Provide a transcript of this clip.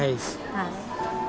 はい。